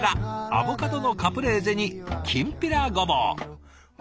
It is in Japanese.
アボカドのカプレーゼにきんぴらごぼう。